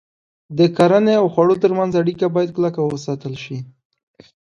د کرنې او خوړو تر منځ اړیکه باید کلکه وساتل شي.